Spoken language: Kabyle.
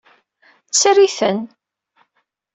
Tter-iten.